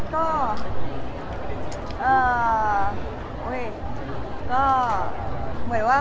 ก็หวัยว่า